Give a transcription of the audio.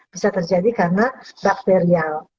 bisa terjadi karena bakterial